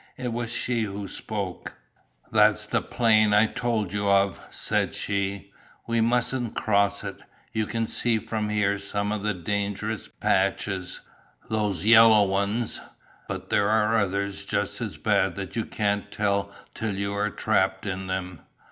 It was she who spoke. "That's the plain I told you of," said she, "we mustn't cross it, you can see from here some of the dangerous patches, those yellow ones, but there are others just as bad that you can't tell till you are trapped in them.